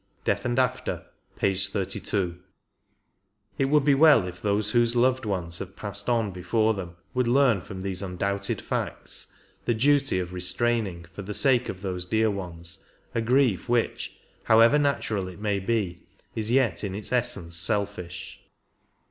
{Death and After ^ P 32 ) It would be well if those whose loved ones have passed on before them would learn from these undoubted facts the duty of restraining for the sake of those dear ones a grief which, however natural it may be, is yet in its essence selfish.